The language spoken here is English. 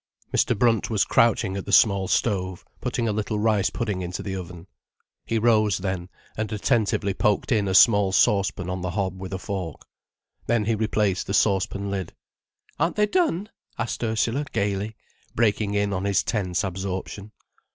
Mr. Brunt was crouching at the small stove, putting a little rice pudding into the oven. He rose then, and attentively poked in a small saucepan on the hob with a fork. Then he replaced the saucepan lid. "Aren't they done?" asked Ursula gaily, breaking in on his tense absorption.